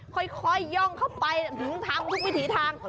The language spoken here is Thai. ค่อยย่องเข้าไปถึงทำทุกวิถีทาง